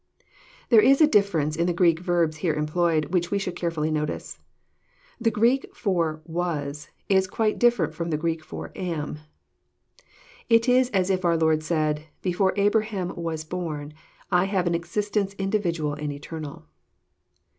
There is a difference in the Greek verbs here employed, which we should carefully notice. The Greek for •' was *' is quite dif ferent from the Greek for " am." It is as if our Lord said, " before Abraham was born, I have an existence Individual and eternal."